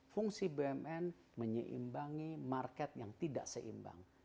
jadi bumn menyeimbangi market yang tidak seimbang